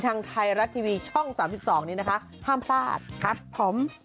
ทางไทยรัฐทีวีช่อง๓๒นี้นะคะห้ามพลาดครับผม